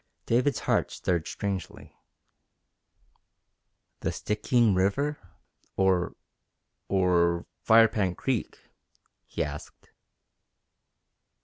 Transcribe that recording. David's heart stirred strangely. "The Stikine River, or or Firepan Creek?" he asked.